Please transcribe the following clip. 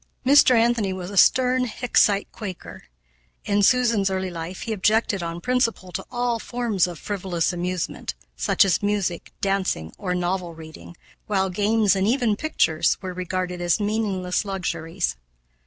Mr. Anthony was a stern Hicksite Quaker. In Susan's early life he objected on principle to all forms of frivolous amusement, such as music, dancing, or novel reading, while games and even pictures were regarded as meaningless luxuries.